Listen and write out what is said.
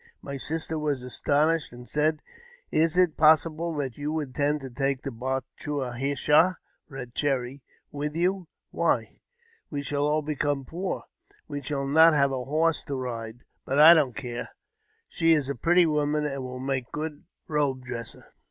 My sister is 206 AUTOBIOGBAPHY OF 1 was astonished, and said, "Is it possible that you intend take Ba chua hish a (Eed Cherry) with you? Why, we shall all become poor ! We shall not have a horse to ride. But I don't care ; she is a pretty woman, and will make a good robe dresser."